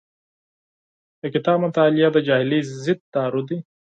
د کتاب مطالعه د جاهلۍ ضد دارو دی.